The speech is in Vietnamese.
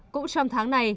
cũng trong tháng này